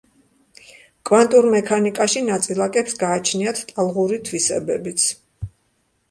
კვანტურ მექანიკაში ნაწილაკებს გააჩნიათ ტალღური თვისებებიც.